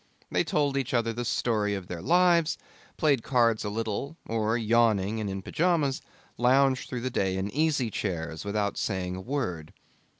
They told each other the story of their lives, played cards a little, or, yawning and in pyjamas, lounged through the day in easy chairs without saying a word.